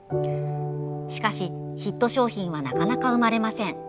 しかし、ヒット商品はなかなか生まれません。